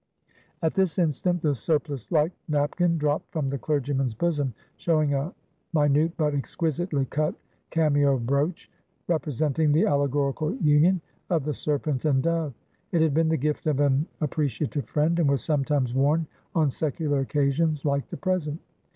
At this instant, the surplice like napkin dropped from the clergyman's bosom, showing a minute but exquisitely cut cameo brooch, representing the allegorical union of the serpent and dove. It had been the gift of an appreciative friend, and was sometimes worn on secular occasions like the present.